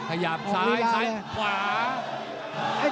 ขยับซ้ายซ้ายขวา